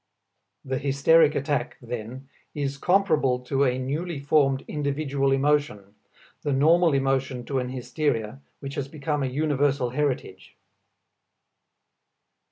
The hysteric attack, then, is comparable to a newly formed individual emotion, the normal emotion to an hysteria which has become a universal heritage.